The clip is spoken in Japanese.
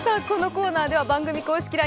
このコーナーでは番組公式